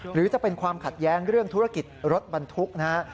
หรือจะเป็นความขัดแย้งเรื่องธุรกิจรถบรรทุกนะฮะ